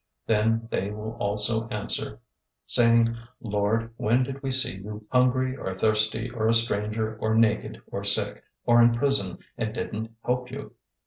025:044 "Then they will also answer, saying, 'Lord, when did we see you hungry, or thirsty, or a stranger, or naked, or sick, or in prison, and didn't help you?'